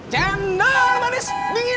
cendol manis dingin